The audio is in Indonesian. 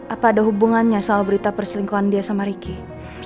apa ada hubungannya sama berita perselingkuhan dia sama ricky